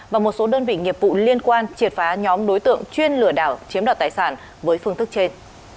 và một số đơn vị nghiệp vụ liên quan triệt phá nhóm đối tượng chuyên lửa đảo chiếm đoạt tài sản với phương thức trên